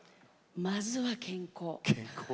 まずは健康を。